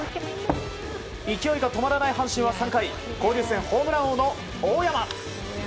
勢いが止まらない阪神は３回交流戦ホームラン王の大山。